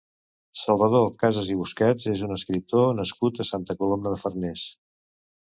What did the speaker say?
Salvador Casas i Busquets és un escriptor nascut a Santa Coloma de Farners.